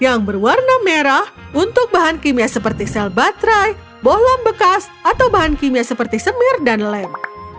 yang berwarna merah untuk bahan kimia seperti sel baterai bolam bekas atau bahan kimia seperti semir dan lem